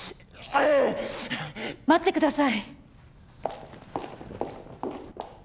待ってください。